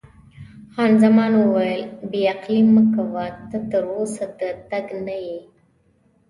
خان زمان وویل: بې عقلي مه کوه، ته تراوسه د تګ نه یې.